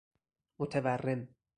متورم